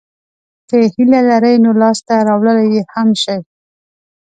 که یې هیله لرئ نو لاسته راوړلای یې هم شئ.